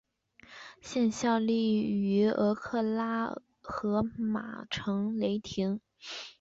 现效力于俄克拉何马城雷霆。